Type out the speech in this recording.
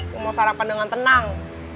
yang mau sarapan dengan tenang